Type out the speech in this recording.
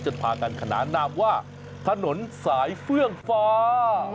พากันขนานนามว่าถนนสายเฟื่องฟ้า